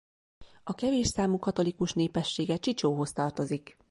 A kevés számú katolikus népessége Csicsóhoz tartozik.